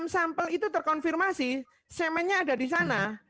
enam sampel itu terkonfirmasi semennya ada di sana